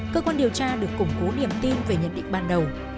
cơ quan điều tra được củng cố niềm tin về nhận định ban đầu